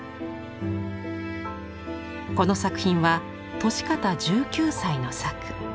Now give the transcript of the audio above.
この作品は年方１９歳の作。